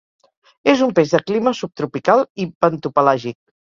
És un peix de clima subtropical i bentopelàgic.